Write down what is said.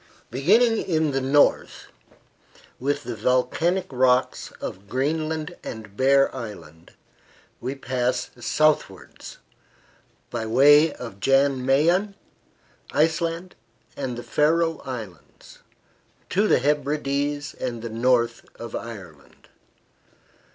Beginning in the north with the volcanic rocks of Greenland and Bear Island, we pass southwards, by way of Jan Mayen, Iceland and the Faroe Islands, to the Hebrides and the north of Ireland.